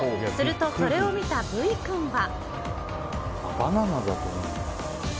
すると、それを見たブイ君は。